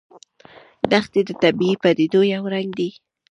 دښتې د طبیعي پدیدو یو رنګ دی.